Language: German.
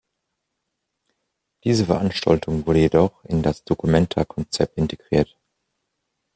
Diese Veranstaltung wurde jedoch in das dokumenta-Konzept integriert.